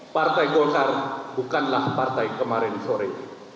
partai golkar bukanlah partai kemarin sore